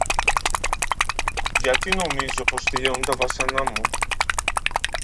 Γιατί νομίζω πως τελείωσαν τα βάσανα μου!